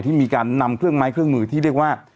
ที่มีการนำเครื่องไม้เครื่องมือที่เรียกว่า